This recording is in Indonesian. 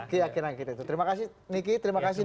keyakinan kita terima kasih niky terima kasih